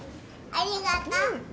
ありがと。